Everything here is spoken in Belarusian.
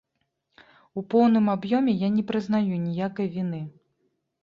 У поўным аб'ёме я не прызнаю ніякай віны.